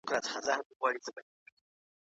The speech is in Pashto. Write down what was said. د ونو تنې اوس د تېر په پرتله ډېرې ډبلې او پیاوړې دي.